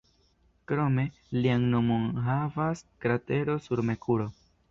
Krome, lian nomon havas kratero sur Merkuro.